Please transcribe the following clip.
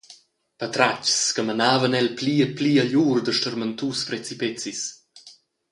Patratgs che menavan el pli e pli agl ur da stermentus precipezis.